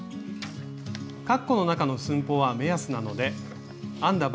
カッコの中の寸法は目安なので編んだ